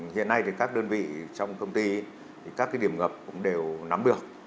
hiện nay thì các đơn vị trong công ty các điểm ngập cũng đều nắm được